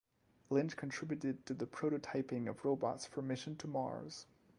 Lynch contributed to the prototyping of robots for missions to Mars.